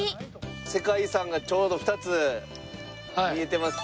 世界遺産がちょうど２つ見えてます。